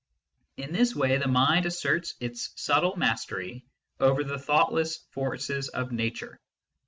In this way mind asserts its subtle mastery over the thoughtless forces of Nature.